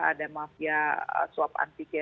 ada mafia suap antikamber